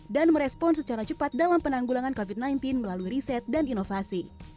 dan merespons secara cepat dalam penanggulangan covid sembilan belas melalui riset dan inovasi